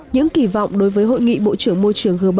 những kỳ vọng đối với hội nghị bộ trưởng môi trường g bảy